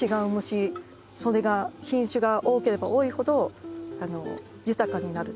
それが品種が多ければ多いほど豊かになるって。